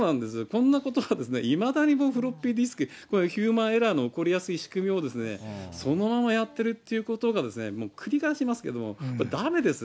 こんなことが、いまだにフロッピーディスク、ヒューマンエラーの起こりやすいミスを、いまだにやってるっていうことが、もう繰り返しますけども、だめです。